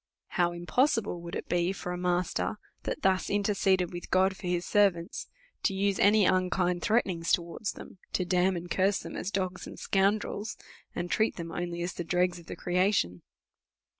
How im possible would it be for a master, that thus interceded with God for his servants, to use any unkind threaten ings towards them, to damn and curse them as dogs and scoundrels, and treat them only as the dregs of the creation